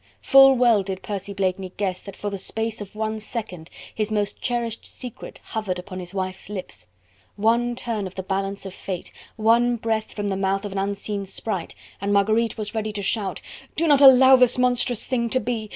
Full well did Percy Blakeney guess that for the space of one second his most cherished secret hovered upon his wife's lips, one turn of the balance of Fate, one breath from the mouth of an unseen sprite, and Marguerite was ready to shout: "Do not allow this monstrous thing to be!